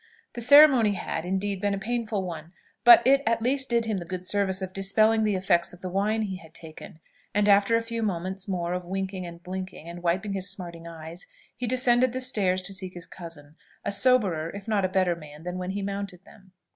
The ceremony had, indeed been a painful one; but it at least did him the good service of dispelling the effects of the wine he had taken; and after a few moments more of winking and blinking, and wiping his smarting eyes, he descended the stairs to seek his cousin, a soberer, if not a better man than when he mounted them.